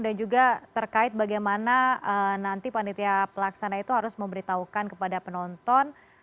dan juga terkait bagaimana nanti panitia pelaksana itu harus memberitahukan kepada penonton